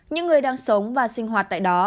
những người đang sống và sinh hoạt tại đó